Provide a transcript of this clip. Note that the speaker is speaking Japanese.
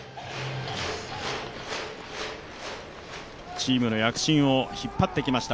チームの躍進を引っ張ってきました